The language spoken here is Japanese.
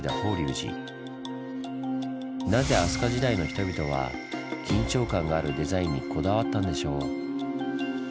なぜ飛鳥時代の人々は緊張感があるデザインにこだわったんでしょう？